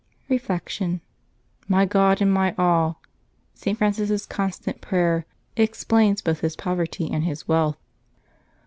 Reflection. — ^"My God and my all," St. Francis' con stant prayer, explains both his poverty and his wealth.